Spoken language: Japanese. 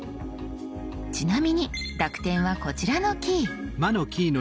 ちなみに濁点はこちらのキー。